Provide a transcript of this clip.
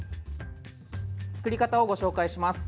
作り方をご紹介します。